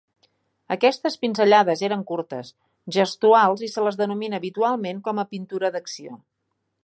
Aquestes pinzellades eren curtes, gestuals i se les denomina habitualment com a pintura d'acció.